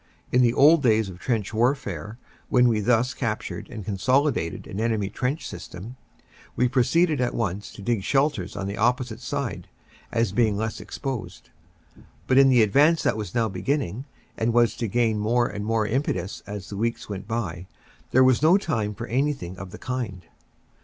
In the old days of trench warfare, when we thus captured and consolidated an enemy trench system, we pro ceeded at once to dig shelters on the opposite side, as being less exposed. But in the advance that was now beginning and was to gain more and more impetus as the weeks went by, there was no time for anything of the kind.